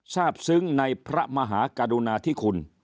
ทราบซึ้งในพระมหากรุณาธิคุณ